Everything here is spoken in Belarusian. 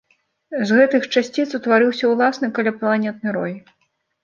З гэтых часціц утварыўся ўласны каляпланетны рой.